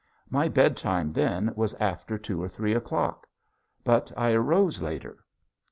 My bedtime then was after two or three o'clock but I arose later.